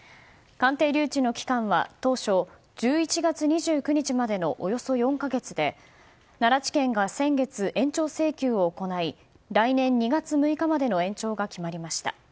鑑定留置の期間は当初１１月２９日までのおよそ４か月で奈良地検が先月、延長請求を行い来年２月６日までの延長が決まりました。